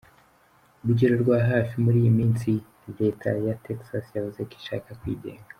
Urugero rwa hafi muri iyi minsi Leta ya Texas yavuze ko ishaka kwigenga.